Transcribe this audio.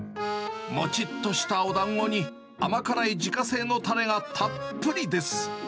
もちっとしたおだんごに、甘辛い自家製のたれがたっぷりです。